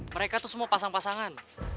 mereka tuh semua pasang pasangan